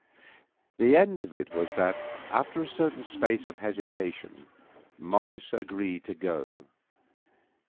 The end of it was that, after a certain space of hesitation, Morris agreed to go.